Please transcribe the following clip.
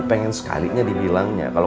pengen sekali sekala mencari dia kan